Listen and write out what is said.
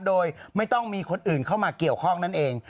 โดยไม่ต้องมีคนอื่นเข้ามาเกี่ยวข้องนั่นเอง